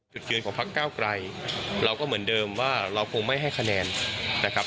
จุดยืนของพักเก้าไกลเราก็เหมือนเดิมว่าเราคงไม่ให้คะแนนนะครับ